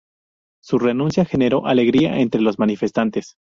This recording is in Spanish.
Su renuncia generó alegría entre los manifestantes.